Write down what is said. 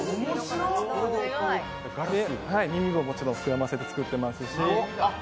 耳ももちろん膨らませて作ってますし。